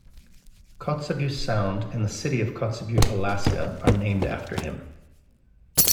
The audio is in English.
Kotzebue Sound and the city of Kotzebue, Alaska are named after him.